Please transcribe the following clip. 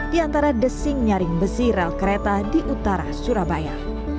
di antara desing nyaring besi rel kereta di utara surabaya